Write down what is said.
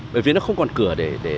bởi vì nó không còn cửa